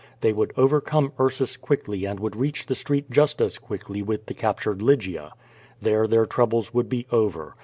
They would over come T'^rsus quickly and would reach the street just as quickly with the captured Lygia. There their troubles would be over.